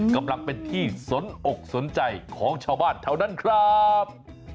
กำลังเป็นที่สนอกสนใจของชาวบ้านแถวนั้นครับ